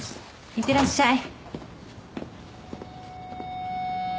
いってらっしゃい。